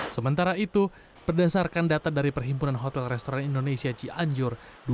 sementara itu berdasarkan data dari perhimpunan hotel restoran indonesia cianjur